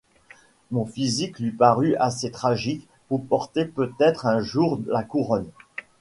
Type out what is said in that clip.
Mon physique lui parut assez tragique pour porter peut-être un jour la couronne.